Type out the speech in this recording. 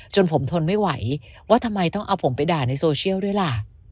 จนผมทนไม่ไหวว่าทำไมต้องเอาผมไปด่าในโซเชียลด้วยล่ะ